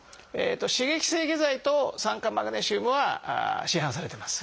刺激性下剤と酸化マグネシウムは市販されてます。